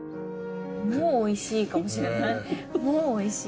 もうおいしいかもしれない。